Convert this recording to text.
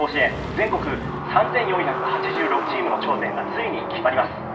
全国３４８６チームの頂点がついに決まります。